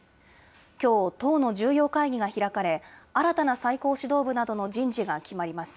きょう、党の重要会議が開かれ、新たな最高指導部などの人事が決まります。